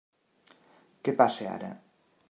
Què passa ara?